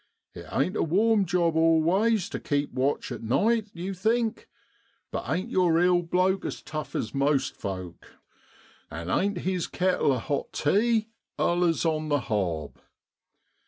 It ain't a warm job always, to keep watch at night, you think; but ain't your eel bloke as tough as most folk ? and ain't his kettle of hot tea allers on the hob